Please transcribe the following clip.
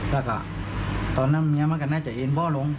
แล้วก็ตอนนั้นเมียมันก็น่าจะเอ็นพ่อลง